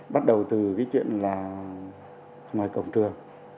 bắt đầu từ cái chuyện là ngoài cổng trường